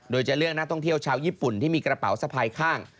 โดยจะเลือกนักท่องเที่ยวชาวญี่ปุ่นที่มีกระเป๋าสะพายข้าง